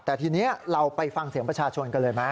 แต่ทีนี้เราไปฟังเสียงประชาชนกันเลยไหม